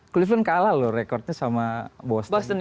cleveland kalah loh rekordnya sama boston